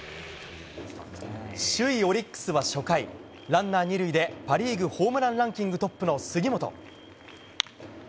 首位オリックスは初回ランナー２塁でパ・リーグホームランランキングトップの杉本。